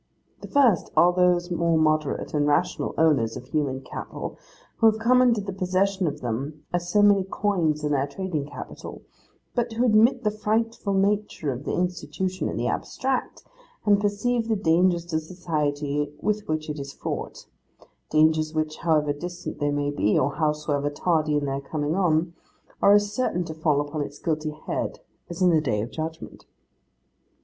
The first, are those more moderate and rational owners of human cattle, who have come into the possession of them as so many coins in their trading capital, but who admit the frightful nature of the Institution in the abstract, and perceive the dangers to society with which it is fraught: dangers which however distant they may be, or howsoever tardy in their coming on, are as certain to fall upon its guilty head, as is the Day of Judgment.